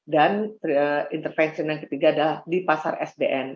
dan intervention yang ketiga adalah di pasar sdn